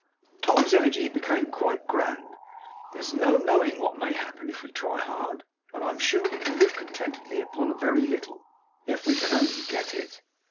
Tom's energy became quite grand 'there is no knowing what may happen, if we try hard. And I am sure we can live contentedly upon a very little if we can only get it.